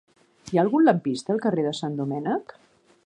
Hi ha algun lampista al carrer de Sant Domènec?